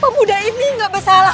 pemuda ini tidak bersalah